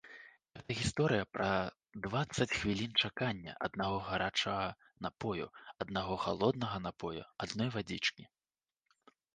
Гэта гісторыя пра дваццаць хвілін чакання аднаго гарачага напою, аднаго халоднага напою, адной вадзічкі.